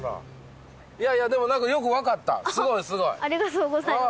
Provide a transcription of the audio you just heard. ありがとうございます。